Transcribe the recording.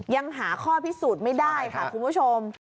ยังหาข้อพิสูจน์ไม่ได้ค่ะคุณผู้ชม